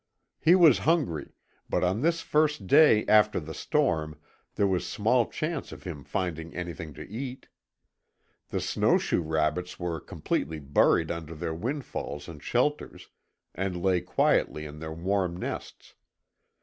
He was hungry, but on this first day after the storm there was small chance of him finding anything to eat. The snowshoe rabbits were completely buried under their windfalls and shelters, and lay quietly in their warm nests.